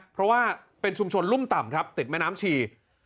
เพราะว่าเป็นชุมชนรุ่มต่ำครับติดแม่น้ำชี